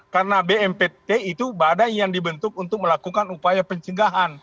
karena bnpt itu badai yang dibentuk untuk melakukan upaya pencegahan